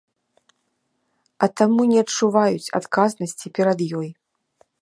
А таму не адчуваюць адказнасці перад ёй.